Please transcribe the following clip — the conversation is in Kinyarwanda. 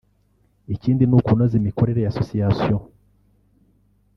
Ikindi ni ukunoza imikorere ya association